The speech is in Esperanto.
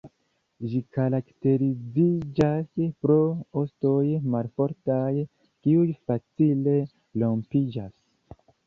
Ĝi karakteriziĝas pro ostoj malfortaj kiuj facile rompiĝas.